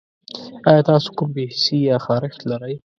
ایا تاسو کوم بې حسي یا خارښت لرئ؟